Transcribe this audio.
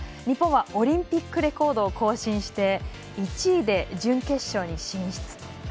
日本はオリンピックレコードを更新して１位で準決勝に進出。